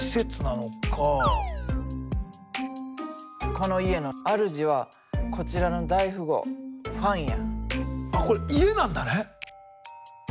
この家の主はこちらの大富豪ファンや。